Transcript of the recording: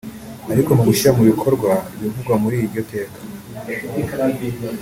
ariko mu gushyira mu bikorwa ibivugwa muri iryo teka